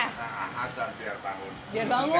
nah agar biar bangun